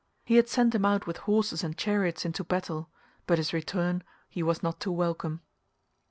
He had sent him out with horses and chariots into battle, but his return he was not to welcome.